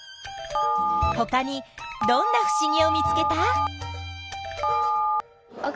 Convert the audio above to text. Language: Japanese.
ほかにどんなふしぎを見つけた？